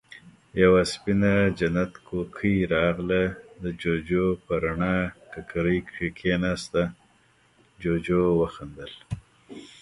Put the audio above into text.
يوه سپينه جنت کوکۍ راغله، د جُوجُو پر رڼه ککری کېناسته، جُوجُو وخندل: